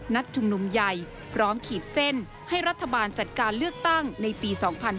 ชุมนุมใหญ่พร้อมขีดเส้นให้รัฐบาลจัดการเลือกตั้งในปี๒๕๕๙